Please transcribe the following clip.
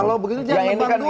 kalau begitu jangan nebang dulu